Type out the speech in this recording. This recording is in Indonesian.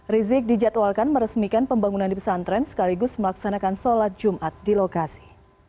rizik dijadwalkan meresmikan pembangunan di pesantren sekaligus melaksanakan sholat jumat di lokasi